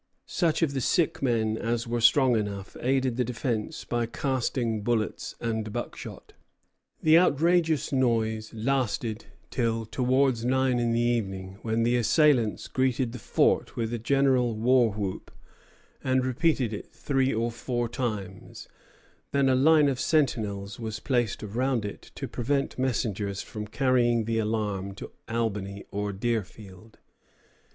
Such of the sick men as were strong enough aided the defence by casting bullets and buckshot. The outrageous noise lasted till towards nine in the evening, when the assailants greeted the fort with a general war whoop, and repeated it three or four times; then a line of sentinels was placed around it to prevent messengers from carrying the alarm to Albany or Deerfield.